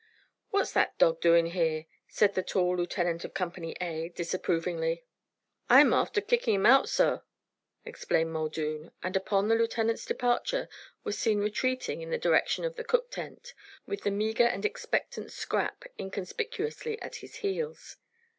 "What's that dog doing here?" said the tall lieutenant of Company A, disapprovingly. "I'm afther kickin' him out, sor," explained Muldoon, and, upon the lieutenant's departure, was seen retreating in the direction of the cook tent, with the meager and expectant Scrap inconspicuously at his heels.